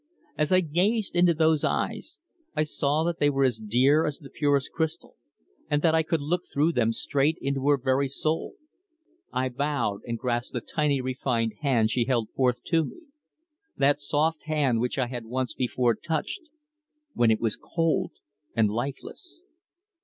As I gazed into those eyes I saw that they were as dear as the purest crystal, and that I could look through them straight into her very soul. I bowed and grasped the tiny, refined hand she held forth to me that soft hand which I had once before touched when it was cold and lifeless.